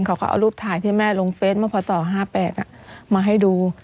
เขาก็เอารูปถ่ายที่แม่ลงเฟสเมื่อพศ๕๘มาให้ดู